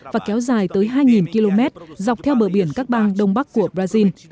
và kéo dài tới hai km dọc theo bờ biển các bang đông bắc của brazil